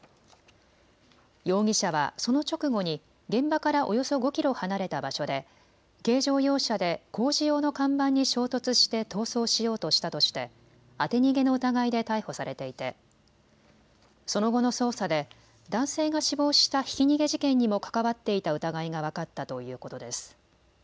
容疑者はその直後に現場からおよそ５キロ離れた場所で軽乗用車で工事用の看板に衝突して逃走しようとしたとして当て逃げの疑いで逮捕されていてその後の捜査で男性が死亡したひき逃げ事件にも関わっていた疑いが分かったということです。